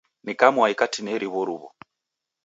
Ni kamwai katineri w'oruw'u.